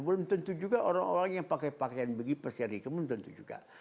belum tentu juga orang orang yang pakai pakaian begitu persediaan itu belum tentu juga